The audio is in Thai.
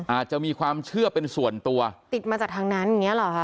อาจจะมีความเชื่อเป็นส่วนตัวติดมาจากทางนั้นอย่างเงี้เหรอคะ